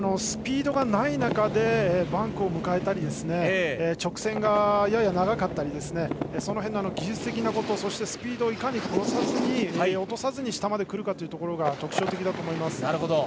スピードがない中でバンクを迎えたり直線がやや長かったりその辺の技術的なことそしてスピードをいかに殺さずに落とさずに下まで来るかが特徴的だと思います。